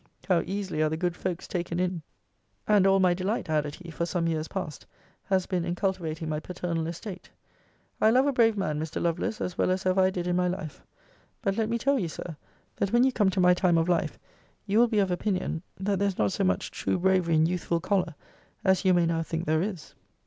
how easily are the good folks taken in!] and all my delight, added he, for some years past, has been in cultivating my paternal estate. I love a brave man, Mr. Lovelace, as well as ever I did in my life. But let me tell you, Sir, that when you come to my time of life, you will be of opinion, that there is not so much true bravery in youthful choler, as you may now think there is.